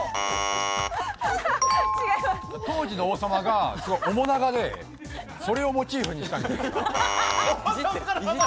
当時の王様が面長で、それをモチーフにしたんじゃないですか？